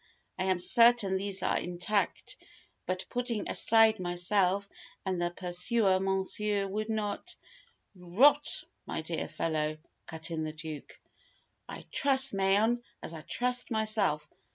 I am certain these are intact. But, putting aside myself and the Pursuer, Monsieur would not " "Rot, my dear fellow!" cut in the Duke. "I trust Mayen as I trust myself.